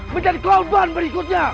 menjadi klausman berikutnya